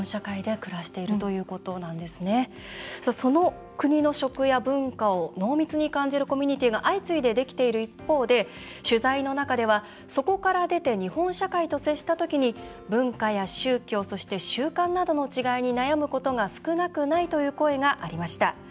その国の食や文化を濃密に感じるコミュニティーが相次いで、できている一方で取材の中では、そこから出て日本社会と接した時に文化や宗教、習慣などの違いに悩むことが少なくないという声がありました。